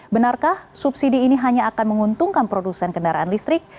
benarkah subsidi ini hanya akan menguntungkan produsen kendaraan listrik